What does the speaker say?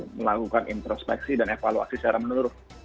melakukan introspeksi dan evaluasi secara menurut